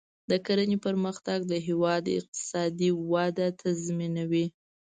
د کرنې پرمختګ د هیواد اقتصادي وده تضمینوي.